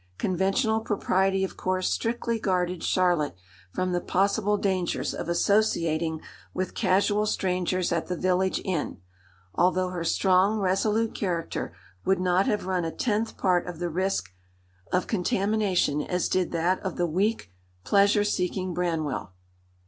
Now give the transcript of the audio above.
Conventional propriety of course strictly guarded Charlotte from the possible dangers of associating with casual strangers at the village inn, although her strong resolute character would not have run a tenth part of the risk of contamination as did that of the weak, pleasure seeking Branwell.